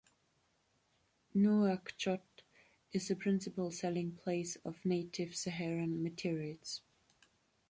Nouakchott is a principal selling place of native Saharan meteorites.